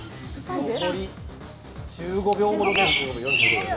残り１５秒ほどです。